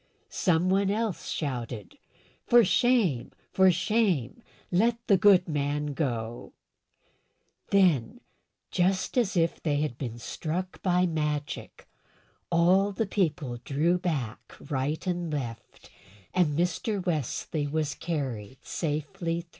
Some one else shouted, "For shame! For shame! let the good man go!" Then, just as if they had been struck by magic, all the people drew back right and left, and Mr. Wesley was carried safely through.